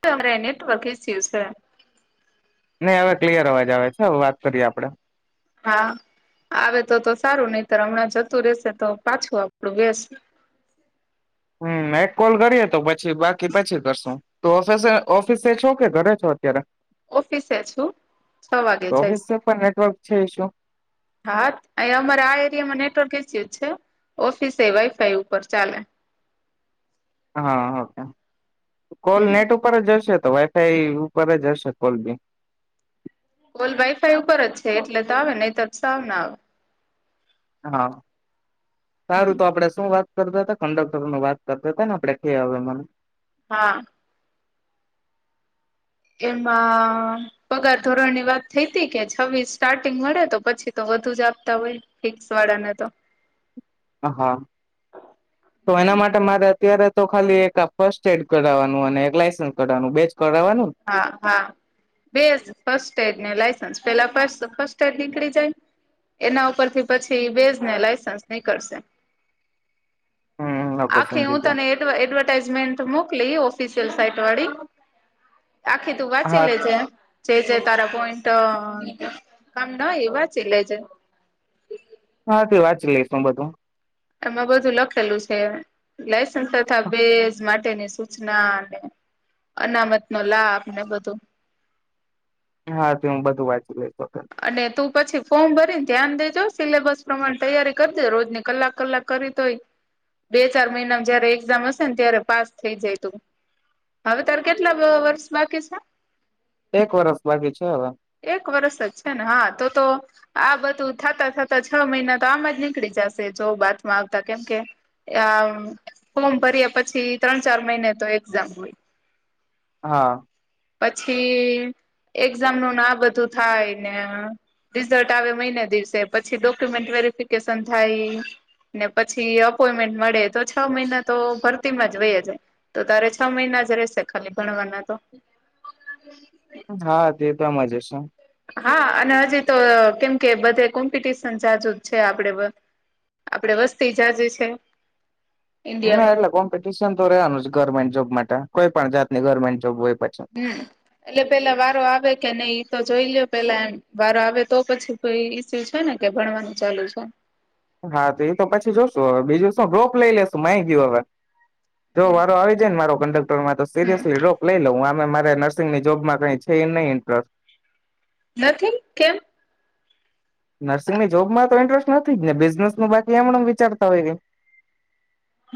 તે [unintelligible] નેટવર્કિ થયુ છે. નહી હવે ક્લિયર અવાજ આવે છે હવે વાત કરીએે આપણે હા આવે તો તો સારું નહિતર હમણાં જતું રહેશે તો પાછું આપણું બેસ હમ એક કોલ કરીએ તો પછી બાકી પછી કરશુ તો ઓફિસે ઓફિસે છો કે ઘરે છો અત્યારે ઓફિસે છું છ વાગે જઈશ ઓફિસ પણ નેટવર્ક છે ઈશું હા અમારે આ એરિયામાં નેટવર્કે છે. છે ઓફિસ એ વાઈફાઈ ઉપર ચાલે હા હા કેમ કોલ હમ નેટ ઉપર જ જશે તો વાઈફાઈ ઉપર જ હશે કોલ બી કોલ વાઈફાઈ ઉપર જ છે એટલે તો આવે નહી તો સાવ ન આવે હા. સારું હમ તો આપડે શું વાત કરતા હતા કંડક્ટરું વાત કરતા હતા ને આપડે કે હવે મા હા. એમાં પગાર ધોરણની વાત થઈ હતી કે છવ્વીસ સ્ટાર્ટિંગ મળે તો પછી તો વધુ જ આપતા હોય ફિક્સ વાળાને તો. હા, તો એના માટે મારે અત્યારે તો ખાલી એક ફર્સ્ટ એડ કરવાનું અને એક લાયસન્સ કરવાનું બેજ કરાવવાનું ને? હા, હા બેસ્ટ ફસ્ટડ ને લ પેલા ફસ્ટ એડ નીકળી જાય એના ઉપરથી પછી બેસને લાયસન્સ નીકળશે હમ ઓકે આખી સમજી હું ગયો તને એટવ એડવર્ટાઈઝમેન્ટ મોકલી સ્પીશલ સાઈટ વાળી આખી તું વાંચી હા લેજે. જે જે તારા પોઈન્ટ કામના હોય એવા તે વાચી લેજે. હા, તે વાંચી લાયખુ બધું. એમાં બધું લખેલું છે લ તથા બેમાંથી તેની સૂચના અને અનામત નો લાભ ને બધું હા, તો હું બધું વાંચી લઈ. અને તો પછી ફોર્મ ભરીને ધ્યાન દેજો સિલેબસ પ્રમાણે તૈયારી કરીજે. રોજની કલાક, કલાક કરી તોય બે ચાર મહિના જયારે એક્ઝામ હશે ને ત્યારે પાસ થઈ જાય તું હવે તારે કેટલા વર્ષ બાકી છે? એક વષૅ બાકી છે હવે. એક વર્ષ જ છે ને હા તો તો આ બધું થતા થતા છ મહિના તો આમાં જ નીકળી જશે જો બાતમાં આવતા કેમકે આ ફોર્મ ભર્યા પછી ત્રણ ચાર મહિને તો એક્ઝામ હોય. હા. પછી એક્ઝામ નું ના બધું થાય ને રિઝલ્ટ આવે મહિને દિવસે પછી ડોક્યુમેન્ટ વેરિફિકેશન થાય ને પછી અપોઈમેન્ટ મળે તો છ મહિના તો ભરતીમાં વયા જાય તો તારે છ મહિના જ રહશે ખાલી ભણવાના તો. [inaudible] હા, તે પણ મજા છું હા અને હજી તો કેમ કે બધે કોમ્પિટિશન જાજુજ છે આપડે આપડે વસ્તી જાઝી છે. હા ઈન્ડિયામાં એટલે કોમ્પિટિશન તો રહવાનું જ ગવર્મેન્ટ જોબ માટે કોઈ પણણ જાતની ગવર્મેન્ટ જોબ હોય. પછી હમ એટલે પેલા વારો આવે કે નહી તો જોઈ લ પેલા એમ વારો આવે તો પછી કોઈ ઈસ્યુ છે ને કે ભણવાનું ચાલુ છે. હા તો એ તો પછી જોશું હવે બીજું વ ડ્રોપ લઈ લેશુ માય ગય હવે જો હમ વારો આવી જાય ને મારો કંડક્ટરમાં તો હમ સીરિયસલી રોક લઈ લઉ હ મારે નર્સિંગની જોબમાં કઈ છે એ નહી ઇન્ટરસ્ટ નથી કેમ નર્સિંગની જોબમાં તો ઇન્ટરેસ્ટ નથી જ ને બિઝનેસ ન બાકી એમને વિચારતા હોય કે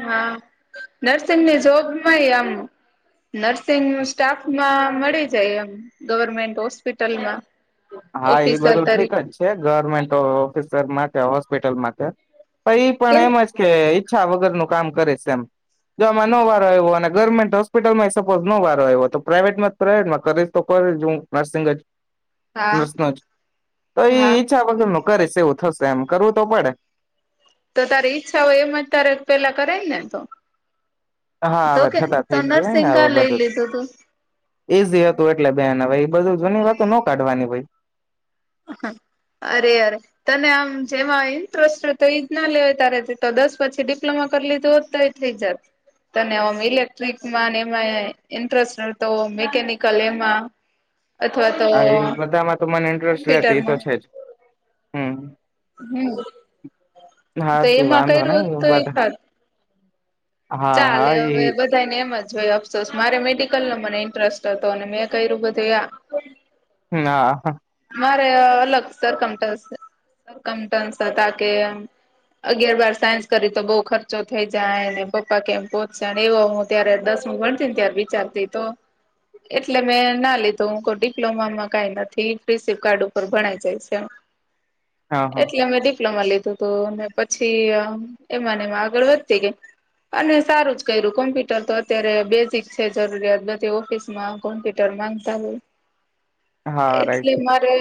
હા નર્સિંગની જોબમાંય એમ નર્સિંગ સ્ટાફમાં મળી જાય એમ ગવર્મેન્ટ હોસ્પિટલમાં હા એ ઓફિસર બધું ઠીક તરીકે જ છે ગવર્મેન્ટ ઓફિસરમાં ત્યા હોસ્પિટલમાં ત્યા પણ ઈ પણ કેમ એમ જ કે છા વગરનું કામ કરે એમ જોમાં ન વારો આવ્યો અને ગવર્મેન્ટ હોસ્પિટલમાં સપોઝ નો વારો આવ્યો તો પ્રાાઈવેટમાં પ્રાઇવેટમાં કરેશ તો કરે હું નર્સિંગ જ હા શ તો એ હા ઈચ્છા વગરનો કરે સે એવું થશે એમ કરવું તો પડે તો તારી ઈચ્છા હોય એમ જ તારે પેલા કરે ને તો હા તો હવે કે થતા તો થઈ ગયું હોય ને નર્સિંગ હવે કા લઈ બધું તુ લીધું તું ઈઝી હતું એટલે બેન હવે બધું જૂની વાત નો કાઢવાની હોય અરે અરે તને આમ જેમાં ઇન્ટરેસ્ટ તો એઈજ ના લેવાય તારે તો દસ પછી ડિપ્લોમા કરી લીધું હો જ એ થઇ જત તનેમ ઇલેક્ટ્રિકમાં એમાં ઇન્ટરેસ્ટ તો મેકેનિકલ એમા હા એ બધામાં તમને ઈન્ટરેસ્ટ લેતી એ તો કોમ્પ્યુટરમાં છે જ હમ હમ હા તો તે એમાં કઈ વાંધો રોજ નઈ તો બધા એકત હા હા ચાલે એ હવે બધા ને એમ જ અફસોસ મારે મેડિકલ નો મને ઇન્ટરેસ્ટ હતો અને મેં કર્યું બધું આ હ હા મારે અલગ સરકમ સરકમટન્સ હતા કેમ અગિયાર બાર સાયન્સ કરી તો બહ ખર્ચો થઈ જાય પપ્પા કેમ પોહચાડે એવો હું ત્યારે દસમું ભણતી ને ત્યારે વિચારતી તો એટલે મેં ના લીધું હું કો ડિપ્લોમામાં કાઈ નથી. ફ્રી સીપ કાર્ડ ઉપર ભણાઈ જાય છે. હા હા એટલે મેં ડિપ્લોમા લીધી તો તો ને પછી એમાંનેમાં આગળ વધતી ગઈ અને સારું જ કર્યું કોમ્પ્યુટર તો અત્યારે બેઝિક છે જરૂરિયાત બધી ઓફિસમાં કોમ્પ્યુટર માંગતા હોય હા રાઈટ એટલે મારે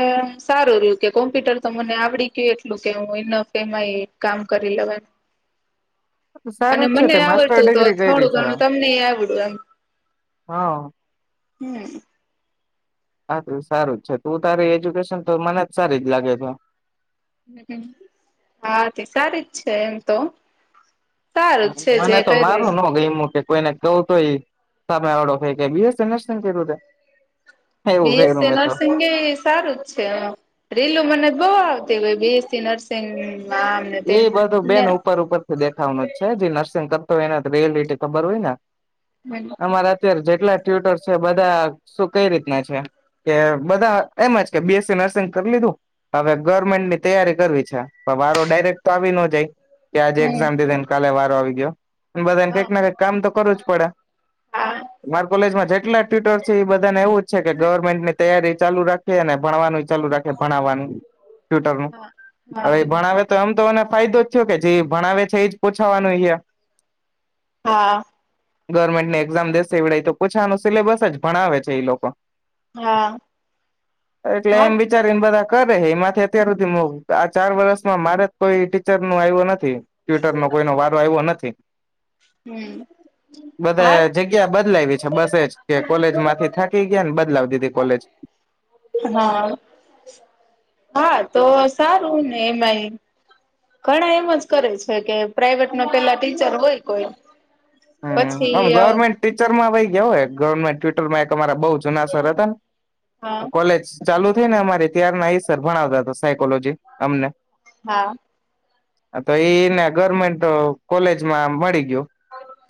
સારું રહ્યું કે કોમ્પ્યુટર તો મને આવડી ગયું એટલું કે હું એનફ એમાં કામ કરી લેવા અને સારું જ છે મને તે માસ્ટર આવડતું તો ડિગ્રી કરી થોડું છે ઘણું તમને આવડ તો એમ હા હમ હા તે સારું જ છે તું તારી એજ્યુકેશન તો મને જ સારી જ લાગે છે. હા તે સારી જ છે એમ તો સારું જ છે જે મને તો કર્યું મારૂ નો ગયમુ તે કોઈને કવ તોય સામે વાળો કોઈ કે [unintelligible] એવું કર્યું બીએસસી મેં તો નર્સિંગ એ સારું જ છે રીલું મને બઉ આવે તે અવે બીએસસી નર્સિંગ આમને તેમ એ બધું બેન ને ઉપર ઉપરથી દેખાવાનું જ છે જે નર્સિંગ કર તો એના રિયાલિટી ખબર હોય ને હમ અમારે અત્યારે જ કેટલા ટ્યુટર છે બધા શું કઈ રીતના છે કે બધા એમ જ કે બીએસસી નર્સિંગ કરી લીધું હવે ગવર્મેન્ટની તૈયારી કરવી છે. પણ વારો ડાયરેક્ટ તો આવી નો જાય. કે આજે એક્ઝામ દે દેન કાલે વાર આવી ગયા. બધાને હા કઈક ના કઈક કામ તો કરવું જ પડે. હા માર કોલેજમાં જેટલા ટ્વિટર છે એ બધા ને એવું જ છે કે ગવર્મેન્ટ ની તૈયારી ચાલુ રાખીએ અને ભણવાની ચાલુ રાખે ભણાવવાનું ટયુટર નું હા હા હવે ભણાવે તો એમ તોને ફાયદો જ થયો કે જે ભણાવે છે એજ પૂછવાનું હે. હા. ગવર્મેન્ટ ની એક્ઝામ દેશે એવડે તો પૂછાનું સિલેબસ જ ભણાવે છે એ લોકો. હા એટલે હા એમ વિચારીને બધા કરે એમાંથી અત્યાર સુધી અ આ ચાર વર્ષમાં મારે કોઈ ટીચર નું આયવુ નથ નથી. ટ્વિટર માં કોઈનો વારો આવ્યો નથ હે. હમ હા બધા જગ્યા બદલાવી છે બસ એજ કે કોલેજ માંથી થાકી ગયા ને બદલાવી દીધી કોલેજ. હા હા તો સારું ને એમાં એ ઘણા એમ જ કરે છે કે પ્રાાઈવેટ ન પેલા ટીચર હોય કોઈ હમ્મ, પછી આમ ગવર્મેન્ટ હા ટીચરમાં વઈ ગ્યા હો એક. ગવર્મેન્ટ ટ્વિટર માં એક અમારા બવ જુના સર હતા ન, તો કોલેજ ચાલુ થઇ ને અમારે ત્યાર ના એ સર ભણાવતા તા સાયકોલોજી અમને. હા. તો એઈને ગવર્મેન્ટ કોલેજ માં મળી ગયુ.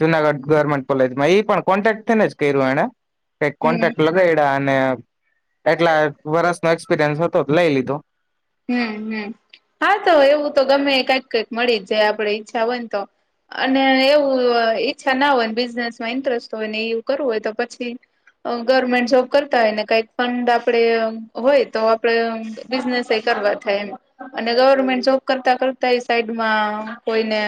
જુનાગઢ ગવર્મેન્ટ કોલેજમાં ઈ પણ કોન્ટેક્ટ થે ને જ કર્યું એણે. કાંઈક હમ કોન્ટેક્ટ લગાડ્યા ને એકલા વરસનો એક્સપિરિયસ હતો ત લઈ લીધો. હમ્મ હમ્મ, હા તો એવું તો ગમે એ કાંઈક કાંઈક મળી જ જાય આપડે ઈચ્છા હોય ને તો અને એવું ઈચ્છા ના હોય ને બિઝનેસમાં ઇન્ટરેસ્ટ હોય ને એવું કરવું હોય તો પછી અ ગવર્મેન્ટ જોબ કરતા હોય ને કાંઈક ફંડ આપણે હોય તો આપડે બિઝનેસ એ કરવા થાય એમ અને ગવર્મેન્ટ જોબ કરતા કરતા એ સાઈડમાં કોઈને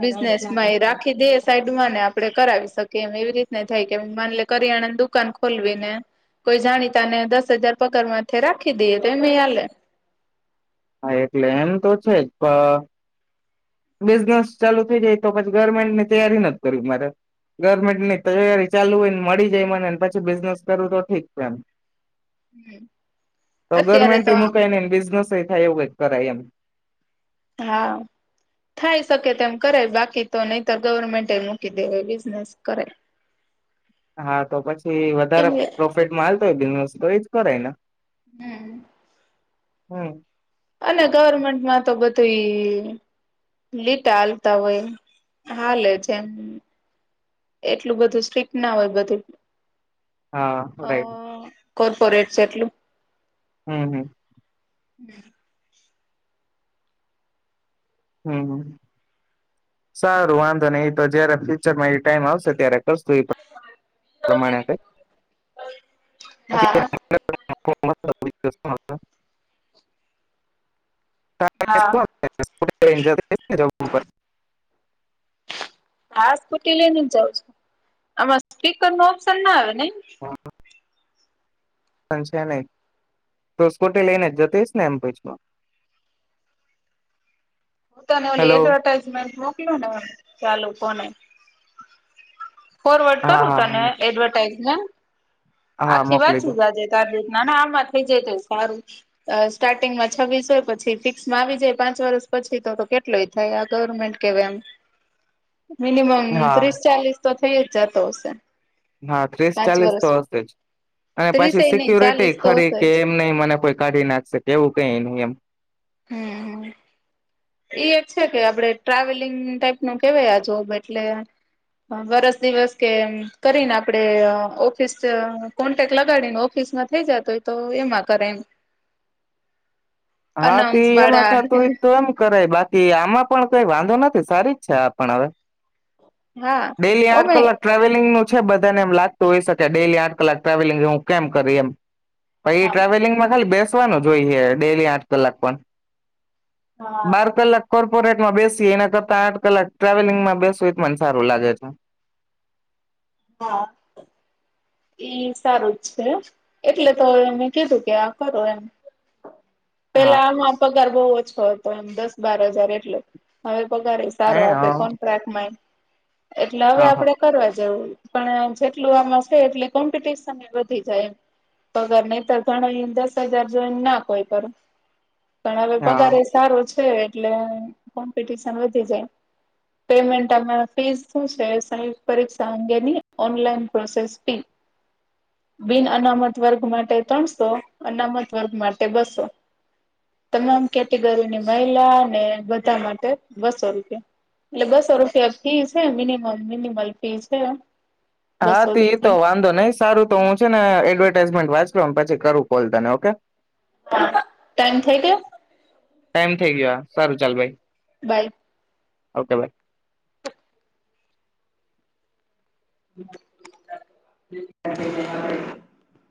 બિઝનેસ માંય રાખી દે સાઈડમાં ને આપ આપણે કરાવી શકીએ એમ એવી રીતને થાય કે માની લે કરિયાણાની દુકાન ખોલવી ને કોઈ જાણીતા ને દસ હજાર પગારમાંથે રાખી દઈએ તો એમ એ હાલેે. હા એટલે એમ તો છે જ પ બિઝનેસ ચાલુ થઈ જાય તો પછી ગવર્મેન્ટની તૈયારી નથી કરવી મારે. ગવર્મેન્ટની તૈયારી ચાલુ હોયને મળી જાય મને ને પછી બિઝનેસ કરવું તો ઠીક છે એમ. હમ તો અત્યારે તો ગવર્મેન્ટએ મુકાઇ નહીં ને બિઝનેસ એ થાય એવું કાંઈક કરાય એમ. હા થાય શકે તેમ કરાય બાકી તો નહીતર ગવર્મેન્ટએ મૂકી દેવાય બિઝનેસ કરાય. હા તો પછી કેમ વધારે કે પ્રોફિટમાં હાલ તોય બિઝનેસ તો ઈ જ કરેને હમ્મ હમ્મ અને ગવર્મેન્ટમાં તો બધું એ લીટા હાલતા હોય હાલે જેમ એટલું બધું સ્ટ્રીિક્ટ ના હોય બધે હા રાઇટ કોર્પોરેટ છે એટલું હમ્મ હમ્મ હમ્મ હમ્મ હમ્મ સારું વાંધો નઈ ઈ તો જયારે ફ્યુચરમાં એ ટાઈમ આવશે ત્યારે કરશું એ પ્રમાણે હા કાંઈક [unintelligible] હા [unintelligible] હા સ્કૂટી લઈ ને જ જાઉં છું. આમાં સ્પીકરનું ઓપ્શન ના આવે નઈ હા સંગ છે ને તું સ્કૂટી લઈને જ જતી હઈશ ને એમ પચમાં હું તને ઓલી એડવર્ટાઈઝમેન્ટ મોકલું ને ચાલુ કોને ફોરવર્ડ હા કરું હા તને એડવર્ટાઇઝ [inaudible] હા આખી મોકલી દો વાંચી જાજે તાર રીતે ના ના આમાં થઈ જાય તોય સારું. અ સ્ટાર્ટિંગમાં છવ્વીસ હોય પછી ફિક્સમાં આવી જાય પાંચ વર્ષ પછી તો તો કેટલુંય થાય આ ગવર્મેન્ટ કેવાય આમ મિનિમમ હા ત્રીસ, ચાલીસ તો થઈ જ જાતો હશે. હા ત્રીસ પાંચ ચાલીસ તો વર્ષ. હશે જ અને પછી ત્રીસેય નહી સિકીયોરીટી ચાલીસ તો ખરી હશે કે જ એમ ન મને કોઈ કાઢી નાખશે કે એવું કઈ નહી એમ. હમ્મ હ. એ એક છે કે આપણે ટ્રાવેલિંગ ટાઈપનું કેવાય આ જો એટલે વરસ દિવસ કે કરીને આપણે ઓફિસ કોન્ટેક્ટ લગાડીને ઓફિસમાં થઇ જતો હોય તો એમાં કરે એમ હા અનાઉન્સ તી એમાં વાળા થતું હોયે એમ કરાય બાકી આમાં પણ કઈ વાંધો નથી સારી જ છે આપણ હવે હા ડેલી આઠ ઓમે કલાક ટ્રાવેલિંગ નુ છે બધાને એમ લાગતું હોય શકે ડેલી આઠ કલાક ટ્રાવેલિંગ હું કેમ કરી એમ. પઈ એ હા ટ્રાવેલિંગ માં ખાલી બેસ- ન જોઈએ ડેલી આ કલાક પણ હા બાર કલાક કોર્પોરેટમાં બેસી એના કરતા આઠ કલાક ટ્રાવેલિંગમાં બેસું એ મને સારું લાગે છે. હા એ સારું જ છે એટલે તો અવે મેં કીધું કે આ કરો એમ હા પેલા આમ આપા કર બોવ ઓછો હતો એમ દસ બાર હજાર એટલો હવે પગારે સારો હે હ આપે કોન્ટ્રાક્ટ માંય એટલે હવે હ આપડે કરવા જવું પણ જેટલું આમાં છે એટલે કોમ્પિટશન વધી જાય એમ પગાર નહીતર ઘણાએ દસ હજાર જોઈને ના કોઈ પર પણ અવે હ પગારે એ સારો જ એટલે કોમ્પિટિશન વધી જાય પેમેન્ટ આમા ફીસ શું છે પરીક્ષા અંગેની ઓનલાઈન પ્રોસેસ બિન અનામત વર્ગ માટે ત્રણસો અનામત વર્ગ માટે બસો તમામ કેટેગરીની મહિલા અને બધા માટે બસો રૂપિયા એટલે બસો રૂપિયા ફી છે મિનિમમ મિનિમલ ફી છે. હા બસો તેતો જેટલી વાંધો નહી સારું તો હું છે ને એડવર્ટાાઈઝમેન્ટ વાંચ પછી કરું કોલ તને ઓકે ટાઈમ થઈ ગયો ટાઈમ થઇ ગયો. સારું ચાલ બાય બાય ઓકે બાય [unintelligible]